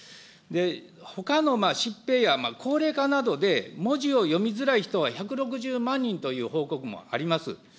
ほかの疾病や高齢化などで、文字を読みづらい人は１６０万人という報告もあります。